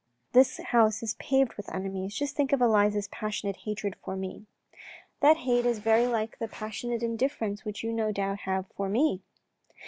This house is paved with enemies. Just think of Elisa's passionate hatred for me." DIALOGUE WITH A MASTER 141 "That hate is very like the passionate indifference which you no doubt have for me."